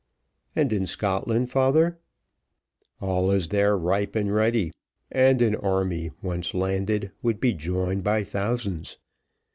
"And, in Scotland, father?" "All is there ripe and ready and an army once landed, would be joined by thousands.